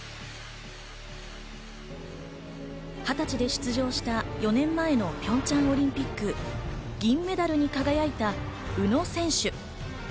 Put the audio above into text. ２０歳で出場した４年前のピョンチャンオリンピック、銀メダルに輝いた宇野選手。